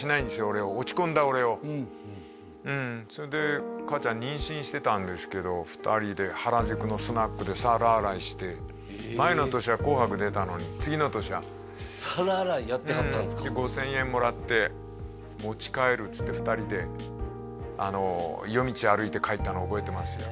俺を落ち込んだ俺をうんそれで母ちゃん妊娠してたんですけど前の年は「紅白」出たのに次の年は皿洗いやってはったんですかで５０００円もらって持ち帰るっつって２人で夜道を歩いて帰ったのを覚えてますよ